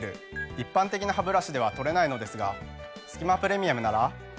一般的なハブラシでは取れないのですが「すき間プレミアム」なら。